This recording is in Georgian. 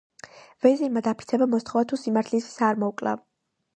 ვეზირმა დაფიცება მოსთხოვა: თუ სიმართლისთვის არ მომკლავ,